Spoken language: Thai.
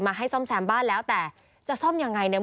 ให้ซ่อมแซมบ้านแล้วแต่จะซ่อมยังไงเนี่ย